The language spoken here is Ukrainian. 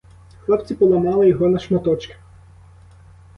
Хлопці поламали його на шматочки.